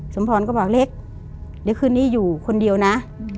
สมพรก็บอกเล็กเดี๋ยวคืนนี้อยู่คนเดียวนะ